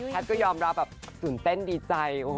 พลัดก็ยอมรับแบบสุนเต้นดีใจ